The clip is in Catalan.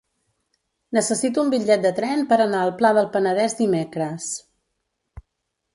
Necessito un bitllet de tren per anar al Pla del Penedès dimecres.